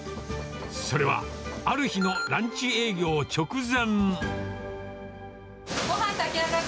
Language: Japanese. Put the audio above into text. それはある日のランチ営業直前。